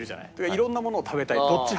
いろんなものを食べたいどっち派？